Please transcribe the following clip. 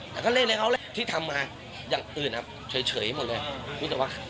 แต่ก็เล่นเลยเขาเล่นที่ทำมาอย่างอื่นอะเฉยหมดเลย